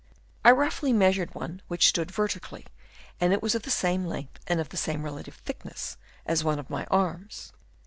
I roughly measured one which stood vertically, and it was of the same length and of the same relative thickness as one of my arms.